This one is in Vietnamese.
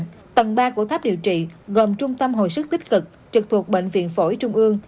tầng ba của tháp điều trị gồm trung tâm hồi sức tích cực trực thuộc bệnh viện phổi trung ương